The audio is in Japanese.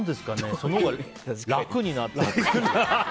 そのほうが楽になったというか。